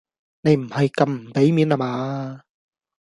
你唔係咁唔俾面呀嘛？